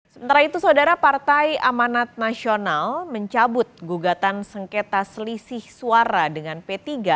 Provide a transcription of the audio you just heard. sementara itu saudara partai amanat nasional mencabut gugatan sengketa selisih suara dengan p tiga